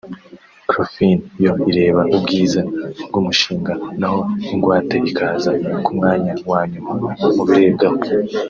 GroFin yo ireba ubwiza bw’umushinga naho ingwate ikaza ku mwanya wa nyuma mubirebwaho